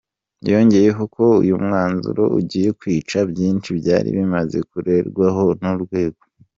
Yongeyeho ko uyu mwanzuro ugiye kwica byinshi byari bimaze kugerwaho n’urwego.